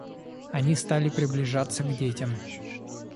Они стали приближаться к детям.